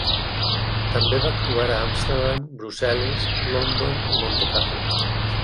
També va actuar a Amsterdam, Brussel·les, London i Montecarlo.